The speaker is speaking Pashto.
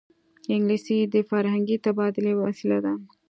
انګلیسي د فرهنګي تبادلې وسیله ده